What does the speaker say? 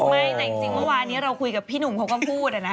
ไม่แต่จริงเมื่อวานนี้เราคุยกับพี่หนุ่มเขาก็พูดนะ